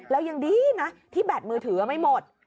แล้วยังดีนะที่แบตมือถือไม่หมด